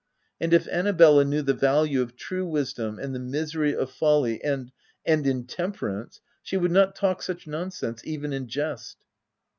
And if Annabella knew the value of true wisdom, and the misery of folly and — and intemperance, she would not talk such nonsense — even in jest."